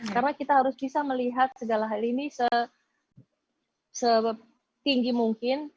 karena kita harus bisa melihat segala hal ini setinggi mungkin